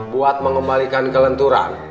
buat mengembalikan kelenturan